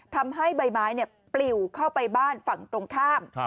ทำให้ใบไม้ปลิวเข้าไปบ้านฝั่งตรงข้าม